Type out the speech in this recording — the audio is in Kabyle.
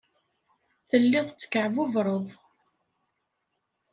Telliḍ tekkeɛbubreḍ.